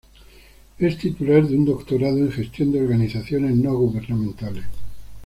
Es titular de un doctorado en gestión de organizaciones no gubernamentales.